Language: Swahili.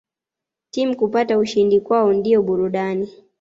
Timu kupata ushindi kwao ndio burudani